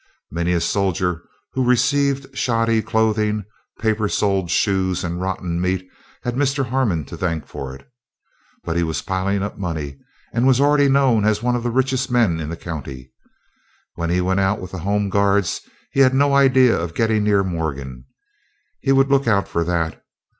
Many a soldier who received shoddy clothing, paper soled shoes, and rotten meat had Mr. Harmon to thank for it. But he was piling up money, and was already known as one of the richest men in the county. When he went out with the Home Guards, he had no idea of getting near Morgan; he would look out for that.